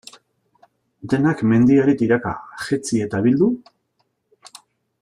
Denak mendiari tiraka, jetzi eta bildu?